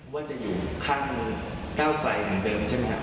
ว่าจะอยู่ข้างก้าวไกลเหมือนเดิมใช่ไหมครับ